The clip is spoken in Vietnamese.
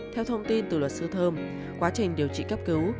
theo thông tin từ luật sư thơm quá trình điều trị cấp cứu